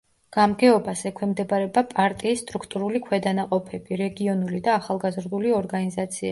გამგეობას ექვემდებარება პარტიის სტრუქტურული ქვედანაყოფები, რეგიონული და ახალგაზრდული ორგანიზაციები.